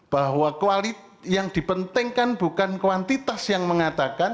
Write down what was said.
bahwa yang dipentingkan bukan kuantitas yang mengatakan